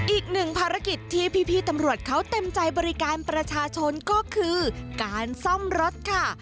อีกหนึ่งภารกิจที่พี่ตำรวจเขาเต็มใจบริการประชาชนก็คือการซ่อมรถค่ะ